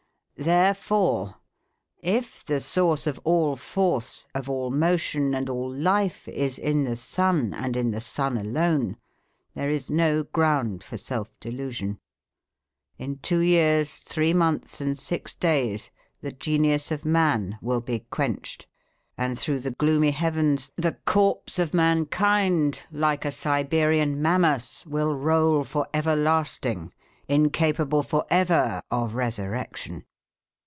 Therefore, if the source of all force, of all motion, and all life is in the sun, and in the sun alone, there is no ground for self delusion: in two years, three months, and six days, the genius of man will be quenched, and through the gloomy heavens the corpse of mankind, like a Siberian mammoth, will roll for everlasting, incapable for ever of resurrection.